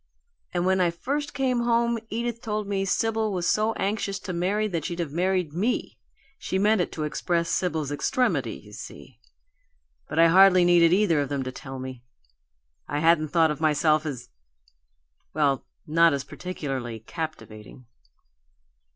"And when I first came home Edith told me Sibyl was so anxious to marry that she'd have married ME. She meant it to express Sibyl's extremity, you see. But I hardly needed either of them to tell me. I hadn't thought of myself as well, not as particularly captivating!"